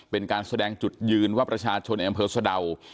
เป็นการแสดงจุดยืนว่าประชาชนในอำเภอสะดาว